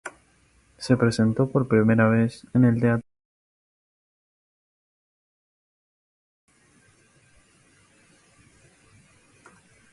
Se representó por primera vez en el Teatro Guimerá de Santa Cruz de Tenerife.